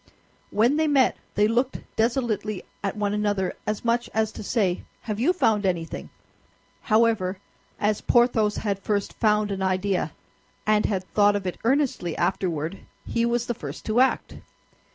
When they met they looked desolately at one another, as much as to say, "Have you found anything?" However, as Porthos had first found an idea, and had thought of it earnestly afterward, he was the first to act.